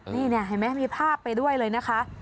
นี่เห็นไหมมีภาพไปด้วยเลยนะคะ